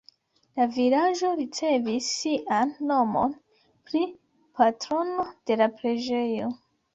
La vilaĝo ricevis sian nomon pri patrono de la preĝejo.